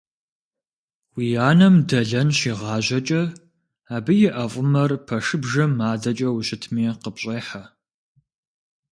Уи анэм дэлэн щигъажьэкӀэ, абы и ӀэфӀымэр пэшыбжэм адэкӀэ ущытми къыпщӀехьэ.